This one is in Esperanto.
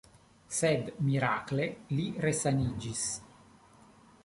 Sed mirakle li resaniĝis.